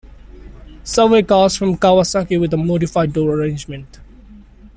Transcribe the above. Subway cars from Kawasaki with a modified door arrangement.